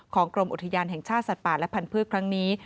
กรมอุทยานแห่งชาติสัตว์ป่าและพันธุ์ครั้งนี้